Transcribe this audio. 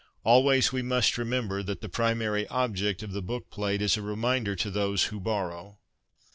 Always must we remember „that the primary object of the bookplate is a reminder to those who borrow.